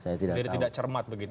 jadi tidak cermat begitu